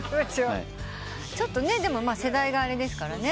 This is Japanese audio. ちょっと世代があれですからね。